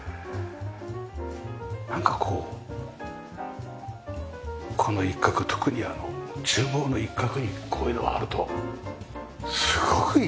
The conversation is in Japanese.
なんかこうこの一角特に厨房の一角にこういうのがあるとすごくいいですよね。